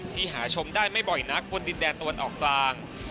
หาชมได้ไม่บ่อยนักบนดินแดนตะวันออกกลาง